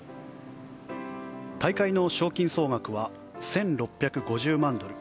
大会の賞金総額は１６５０万ドル